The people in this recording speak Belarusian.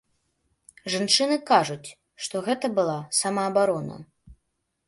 Жанчыны кажуць, што гэта была самаабарона.